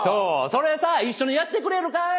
それ一緒にやってくれるかい？